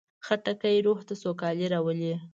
خټکی روح ته سوکالي راولي.